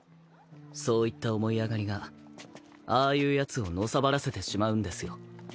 そういった思い上がりがああいうやつをのさばらせてしまうんですよ。